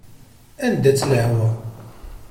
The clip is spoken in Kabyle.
Anda-tt lehwa?